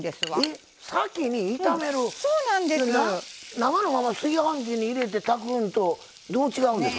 生のまま炊飯器に入れて炊くのとどう違うんですか？